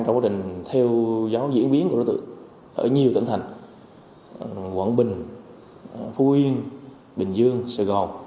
trong quá trình theo giáo diễn biến của đối tượng ở nhiều tỉnh thành quảng bình phú yên bình dương sài gòn